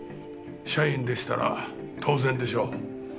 社員でしたら当然でしょう。